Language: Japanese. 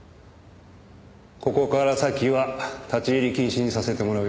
ここから先は立ち入り禁止にさせてもらうよ。